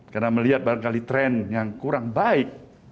karena melihat barangkali tren yang kurang baik